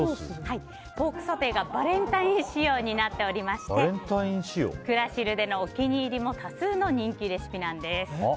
ポークソテーがバレンタイン仕様になっておりましてクラシルでのお気に入りも多数の人気レシピなんです。